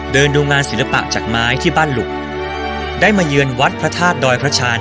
เสียงศิลปะจากไม้ที่บ้านหลุกได้มายืนวัดพระธาตุดอยพระฐาน